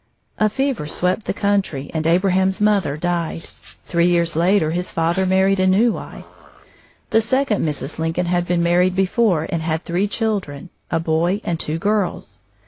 A fever swept the country, and Abraham's mother died. Three years later his father married a new wife. The second Mrs. Lincoln had been married before and had three children, a boy and two girls.